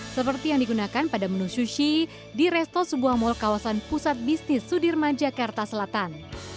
seperti yang digunakan pada menu sushi di resto sebuah mal kawasan pusat bisnis sudirman jakarta selatan